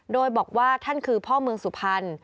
โดยบอกว่าท่านคือพ่อเมืองสุพรรณ